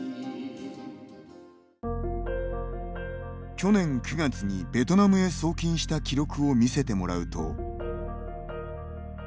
去年９月にベトナムへ送金した記録を見せてもらうと。